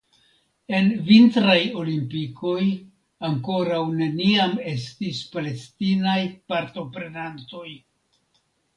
En vintraj olimpikoj ankoraŭ neniam estis Palestinaj partoprenantoj.